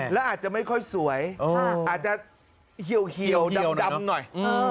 แล้วอาจจะไม่ค่อยสวยอาจจะเหี่ยวดำหน่อย